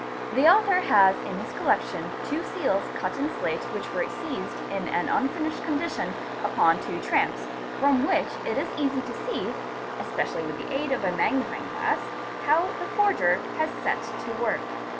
| The author has in his collection two seals cut in slate which were » seized in an unfinished condition upon two tramps, from which it is easy to see, especially with the aid of a magnifying glass, how the forger has set to work.